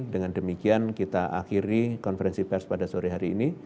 dengan demikian kita akhiri konferensi pers pada sore hari ini